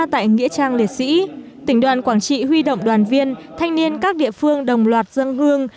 tại nghĩa trang liệt sĩ tỉnh đoàn quảng trị huy động đoàn viên thanh niên các địa phương đồng loạt dân hương